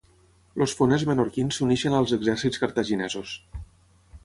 Els foners menorquins s'uneixen als exèrcits cartaginesos.